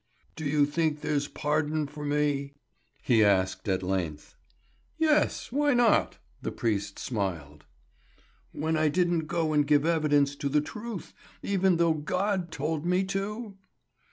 "Do you think there's pardon for me?" he asked at length. "Yes. Why not?" The priest smiled. "When I didn't go and give evidence to the truth, even though God told me to?"